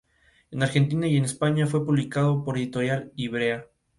En Argentina y en España, fue publicado por Editorial Ivrea.